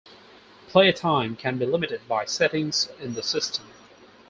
Play time can be limited by settings in the system.